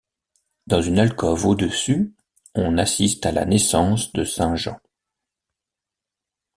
Dans une alcôve au-dessus, on assiste à la naissance de saint Jean.